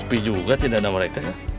supi juga tindakan mereka